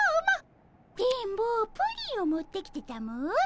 「電ボプリンを持ってきてたも」